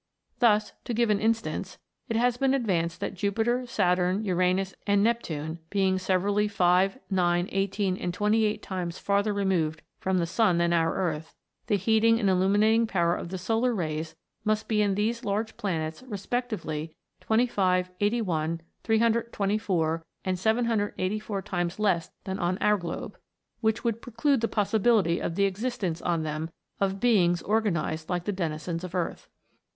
Thus, to give an instance, it has been advanced that Jupiter, Saturn, Uranus, and Neptune, being severally five, nine, eighteen, and twenty eight times fai'ther re moved from the sun than our earth, the heating and illuminating power of the solar rays must be in these large planets respectively 25, 81, 324, and 784 times less than on our globe, which would preclude the possibility of the existence on them of beings organized like the denizens of earth.